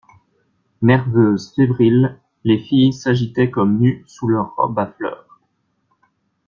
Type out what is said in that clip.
Nerveuses, fébriles, les filles s'agitaient comme nues sous leurs robes à fleurs.